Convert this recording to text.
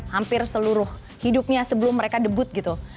hampir seluruh hidupnya sebelum mereka debut gitu